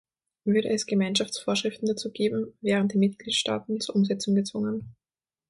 Würde es Gemeinschaftsvorschriften dazu geben, wären die Mitgliedstaaten zur Umsetzung gezwungen.